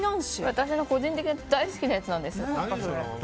私の個人的に大好きなやつなんです。